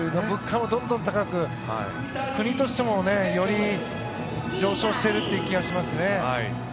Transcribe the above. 物価もどんどん高く国としてもより上昇している気がします。